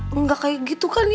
tuh akal akalan lagi kan